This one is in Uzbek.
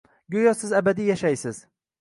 Go'yo siz abadiy yashaysiz.